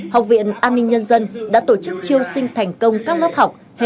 học viện an ninh nhân dân đã tổ chức triêu sinh thành công các lớp học hệ học theo đúng kế hoạch